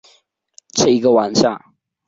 这个晚上